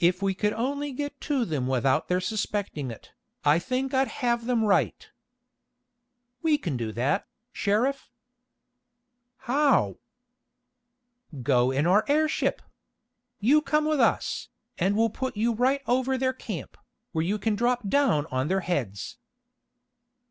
If we could only get to them without their suspecting it, I think I'd have them right." "We can do that, Sheriff." "How?" "Go in our airship! You come with us, and we'll put you right over their camp, where you can drop down on their heads."